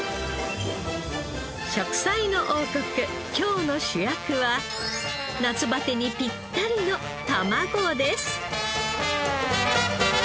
『食彩の王国』今日の主役は夏バテにピッタリのたまごです。